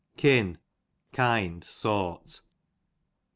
Kin, kind sort.